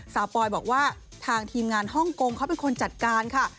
ปอยบอกว่าทางทีมงานฮ่องกงเขาเป็นคนจัดการค่ะ